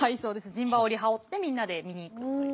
陣羽織羽織ってみんなで見に行くという。